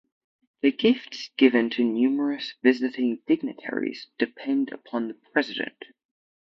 The gifts given to numerous visiting dignitaries depend upon the President.